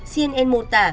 cnn mô tả